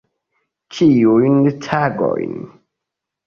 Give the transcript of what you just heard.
Ĉiujn tagojn.